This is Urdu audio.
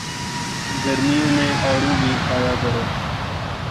گرمیوں میں آڑو بھی کھایا کرو